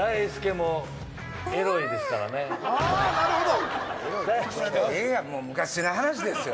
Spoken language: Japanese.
もう昔の話ですよ。